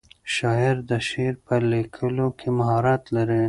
شاعر د شعر په لیکلو کې مهارت لري.